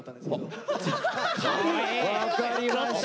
分かりました。